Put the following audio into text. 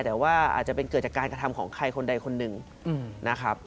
แต่ว่าอาจจะเป็นเกิดจากการกระทำของใครคนใดคนหนึ่งนะครับ